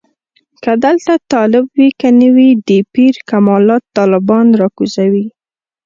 که دلته طالب وي که نه وي د پیر کمالات طالبان راکوزوي.